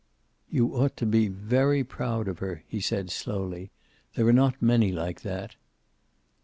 "You ought to be very proud of her," he said slowly. "There are not many like that."